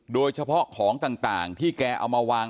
โดยเฉพาะของต่างที่แกเอามาวาง